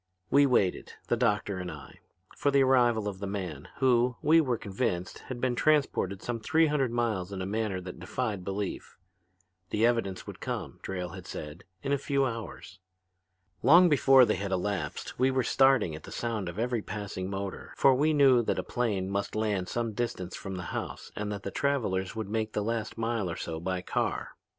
"We waited, the doctor and I, for the arrival of the man who, we were convinced, had been transported some three hundred miles in a manner that defied belief. The evidence would come, Drayle had said, in a few hours. Long before they had elapsed we were starting at the sound of every passing motor, for we knew that a plane must land some distance from the house and that the travelers would make the last mile or so by car.